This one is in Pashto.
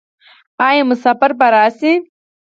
آیا مسافر به راشي؟